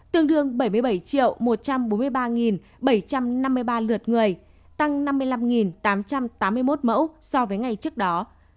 tương đương bảy mươi bảy một trăm bốn mươi ba bảy trăm năm mươi ba lượt người tăng năm mươi năm tám trăm tám mươi một mẫu so với ngày trước đó